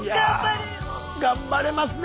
頑張れますね。